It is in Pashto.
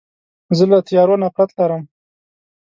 زه له تیارو نفرت لرم.